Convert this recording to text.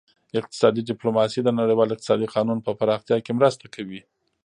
اقتصادي ډیپلوماسي د نړیوال اقتصادي قانون په پراختیا کې مرسته کوي